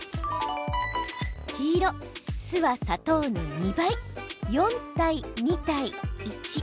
黄色・酢は砂糖の２倍４対２対１。